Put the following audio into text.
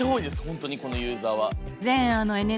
本当にこのユーザーは。